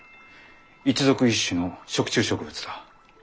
一属一種の食虫植物だ。